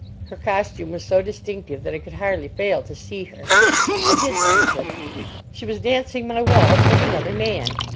Her costume was so distinctive that I could hardly fail to see her. I did see her. She was dancing my waltz with another man.